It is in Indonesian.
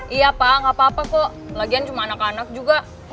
iya pak gapapa kok lagian cuma anak anak juga